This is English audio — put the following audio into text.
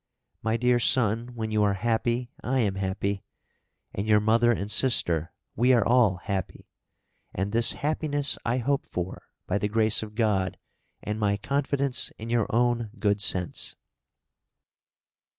My dear son, when you are happy, I am happy; and your mother and sister we are all happy; and this happiness I hope for, by the grace of God and my confidence in your own good sense."